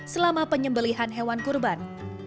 selama penyembelian hewan kurban